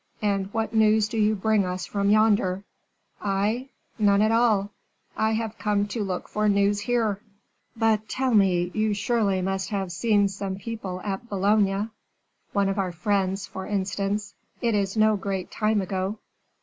And what news do you bring us from yonder?" "I? None at all. I have come to look for news here." "But, tell me, you surely must have seen some people at Boulogne, one of our friends, for instance; it is no great time ago."